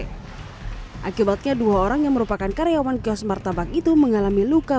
akibatnya dua orang yang merupakan karyawan kios martabak itu mengalami luka